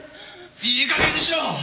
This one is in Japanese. いい加減にしろ！